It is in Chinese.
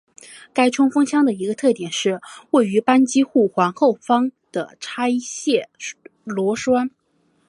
该冲锋枪的一个特点是位于扳机护环后方的拆卸螺栓。